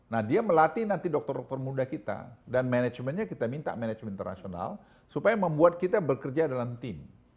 nah dia melatih nanti dokter dokter muda kita dan manajemennya kita minta manajemen internasional supaya membuat kita bekerja dalam tim